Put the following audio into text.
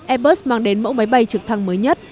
airbus mang đến mẫu máy bay trực thăng mới nhất